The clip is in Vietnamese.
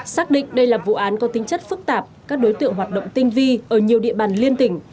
xác định đây là vụ án có tính chất phức tạp các đối tượng hoạt động tinh vi ở nhiều địa bàn liên tỉnh